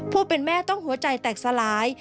ผู้เป็นแม่ต้องหัวใจแตกสลาย